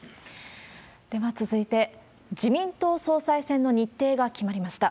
では続いて、自民党総裁選の日程が決まりました。